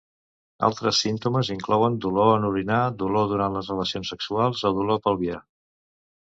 Altres símptomes inclouen dolor en orinar, dolor durant les relacions sexuals o dolor pelvià.